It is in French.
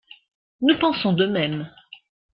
Nous pensons de même.